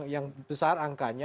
yang besar angkanya